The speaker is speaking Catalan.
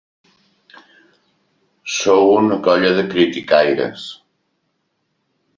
Sou una colla de criticaires.